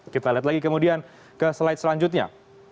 kita lihat lagi kemudian ke slide selanjutnya